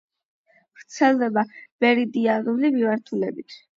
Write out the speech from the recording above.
ვრცელდება მერიდიანული მიმართულებით.